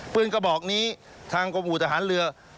กระบอกนี้ทางกรมอุทหารเรือ